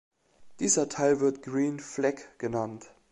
Dieser Teil wird "Green Flag" genannt.